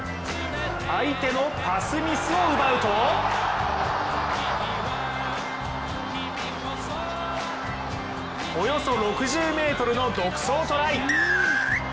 相手のパスミスを奪うとおよそ６０ｍの独走トライ。